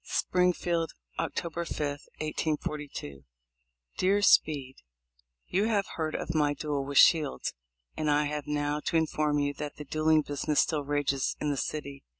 Springfield, October 5, 1842. Dear Speed: — You have heard of my duel with Shields, and I have now to in form you that the duelling business still rages in this city.